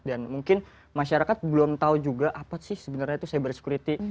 dan mungkin masyarakat belum tahu juga apa sih sebenarnya itu cyber security